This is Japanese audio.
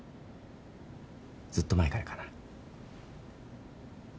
ずっと前からかな？